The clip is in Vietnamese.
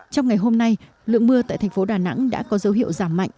trong ngày hôm nay lượng mưa tại thành phố đà nẵng đã có dấu hiệu giảm mạnh